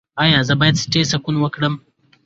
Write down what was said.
ایا زه باید سټي سکن وکړم؟